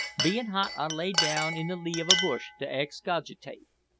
Bein' hot I lay down in the lee of a bush to excogitate.